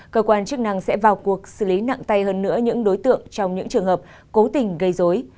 cơ quan chức năng sẽ vào cuộc xử lý nặng tay hơn nữa những đối tượng trong những trường hợp cố tình gây dối